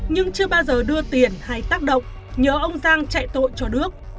nhưng chưa bao giờ đưa tiền hay tác động nhớ ông giang chạy tội cho đước